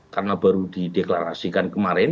karena baru dideklarasikan kemarin